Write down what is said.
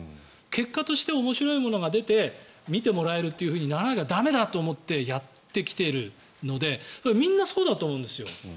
結果として面白いものが出て見てもらえるってならなきゃ駄目だって思ってやってきているのでみんなそうだと思うんです。